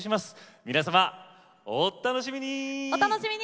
皆様お楽しみに。